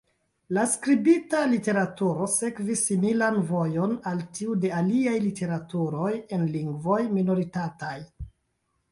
La skribita literaturo sekvis similan vojon al tiu de aliaj literaturoj en lingvoj minoritataj.